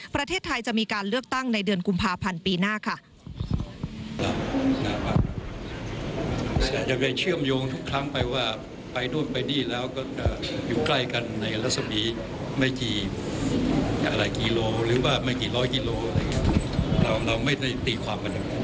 ประเทศไทยจะมีการเลือกตั้งในเดือนกุมภาพันธ์ปีหน้าค่ะ